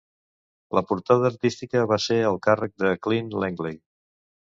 La portada artística va ser al càrrec de Clint Langley.